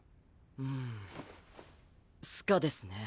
うんスカですね。